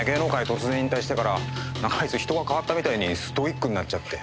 突然引退してからあいつ人が変わったみたいにストイックになっちゃって。